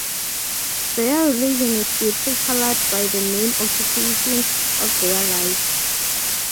Their religion is is deeply colored by the main occupation of their lives.